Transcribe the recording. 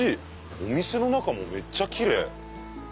お店の中もめっちゃキレイ。